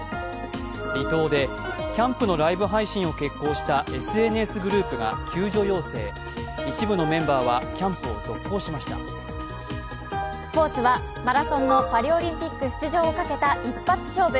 離島でキャンプのライブ配信を決行したＳＮＳグループが救助要請、一部のメンバーはキャンプを続行しましスポーツはマラソンのパリオリンピック出場権をかけた一発勝負。